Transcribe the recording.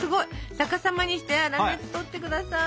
逆さまにして粗熱とってください！